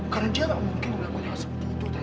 karena dia gak mungkin melakukan hal sebutu tante